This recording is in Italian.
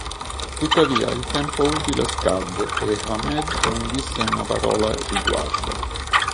Tuttavia il tempo utile scadde e Hamed non disse una parola riguardo.